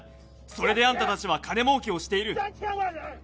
それであんたたちは金もうけをしている。